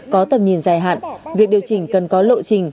có tầm nhìn dài hạn việc điều chỉnh cần có lộ trình